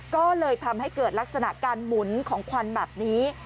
ก็เลยทำให้เกิดลักษณะการหมุนของควันแบบนี้